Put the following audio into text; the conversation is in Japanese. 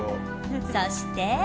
そして。